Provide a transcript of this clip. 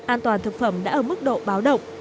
an toàn thực phẩm đã ở mức độ báo động